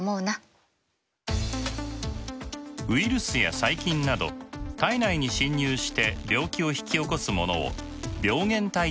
ウイルスや細菌など体内に侵入して病気を引き起こすものを病原体といいます。